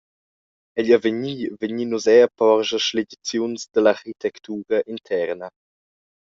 Egl avegnir vegnin nus era a porscher sligiaziuns dalla architectura interna.